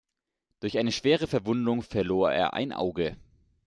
Durch eine schwere Verwundung verlor er ein Auge.